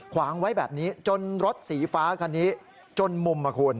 ขวางไว้แบบนี้จนรถสีฟ้าคันนี้จนมุมอ่ะคุณ